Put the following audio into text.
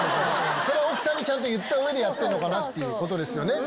それ奥さんにちゃんと言った上でやってんのかなっていうことですよね。